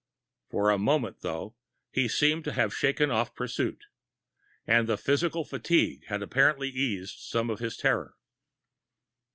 For the moment, though, he seemed to have shaken off pursuit. And the physical fatigue had apparently eased some of his terror.